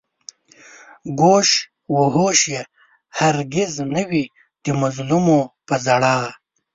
گوش و هوش يې هر گِز نه وي د مظلومو په ژړا